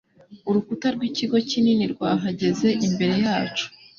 Urukuta rw'ikigo kinini rwahagaze imbere yacu